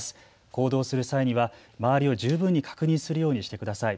行動する際には周りを十分に確認するようにしてください。